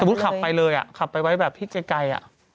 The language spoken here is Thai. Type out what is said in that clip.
สมมุติขับไปเลยขับไปไว้แบบนิดไกล